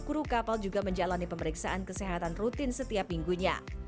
kru kapal juga menjalani pemeriksaan kesehatan rutin setiap minggunya